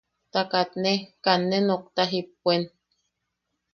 Ta katne, katne nookta jippuen.